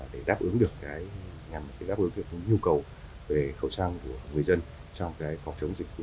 để đáp ứng được nhu cầu về khẩu trang của người dân trong phòng chống dịch dịch corona